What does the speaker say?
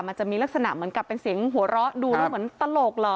มันจะมีลักษณะเหมือนกับเป็นเสียงหัวเราะดูแล้วเหมือนตลกเหรอ